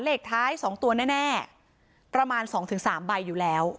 เลขท้าย๒ตัวแน่ประมาณ๒๓ใบอยู่แล้ว